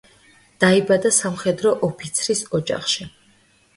დაიბადა სამხედრო ოფიცრის ოჯახში.